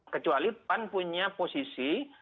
kecuali pan punya posisi